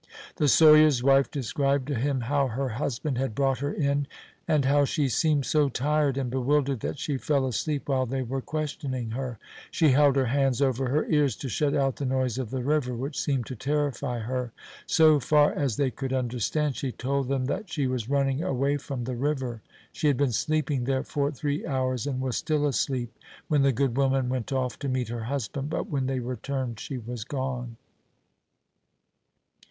The sawyer's wife described to him how her husband had brought her in, and how she seemed so tired and bewildered that she fell asleep while they were questioning her. She held her hands over her ears to shut out the noise of the river, which seemed to terrify her. So far as they could understand, she told them that she was running away from the river. She had been sleeping there for three hours, and was still asleep when the good woman went off to meet her husband; but when they returned she was gone.